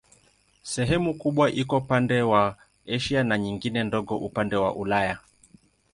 Sehemu kubwa iko upande wa Asia na nyingine ndogo upande wa Ulaya.